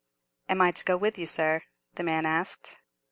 "Am I to go with you, sir?" the man asked.